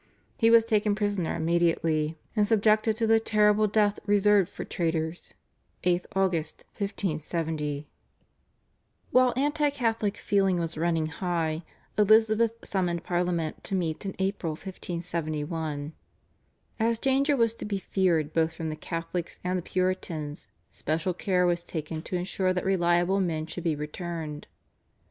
He was taken prisoner immediately, and subjected to the terrible death reserved for traitors (8th August 1570). While anti Catholic feeling was running high, Elizabeth summoned Parliament to meet in April 1571. As danger was to be feared both from the Catholics and the Puritans special care was taken to ensure that reliable men should be returned.